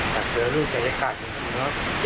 อยากเจอลูกใจรกัด